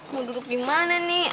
mau duduk dimana nih